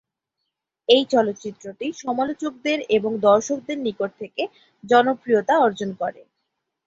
এই চলচ্চিত্রটি সমালোচকদের এবং দর্শকদের নিকট থেকে জনপ্রিয়তা অর্জন করে।